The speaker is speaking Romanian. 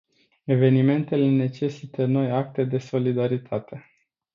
Evenimentele necesită noi acte de solidaritate.